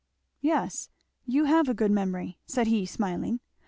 "Yes, you have a good memory," said he smiling.